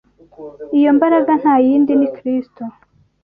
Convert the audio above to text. Iyo mbaraga nta yindi ni Kristo